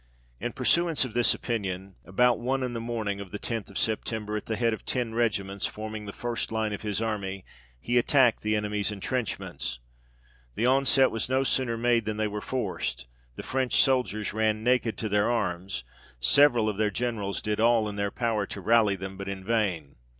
In pursuance of this opinion, about one in the A BATTLE IN FLANDERS. 27 morning, of the loth of September, at the head of ten regiments, forming the first line of his army, he attacked the enemy's entrenchments. The onset was no sooner made than they were forced ; the French soldiers ran naked to their arms ; several of their Generals did all in their power to rally them, but in vain.